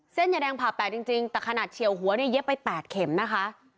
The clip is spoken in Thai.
ยาแดงผ่าแปดจริงแต่ขนาดเฉียวหัวเนี่ยเย็บไป๘เข็มนะคะ